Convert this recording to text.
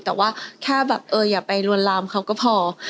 แต่ว่าแค่แบบเอออย่าไปลวนลามเขาก็พอ